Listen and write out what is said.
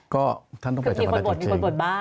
ก็ท่านต้องไปจับมาได้จริง